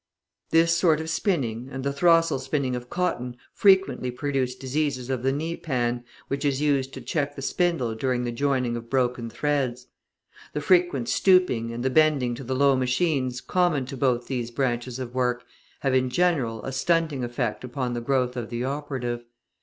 This sort of spinning and the throstle spinning of cotton frequently produce diseases of the knee pan, which is used to check the spindle during the joining of broken threads. The frequent stooping and the bending to the low machines common to both these branches of work have, in general, a stunting effect upon the growth of the operative.